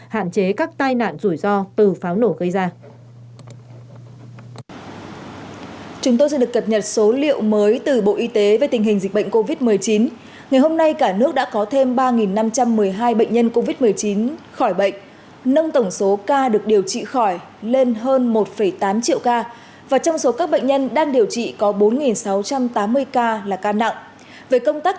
hạn chế các tai nạn rủi ro từ pháo nổ gây ra